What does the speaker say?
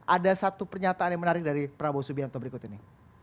ada satu pernyataan yang menarik dari prabowo subianto berikut ini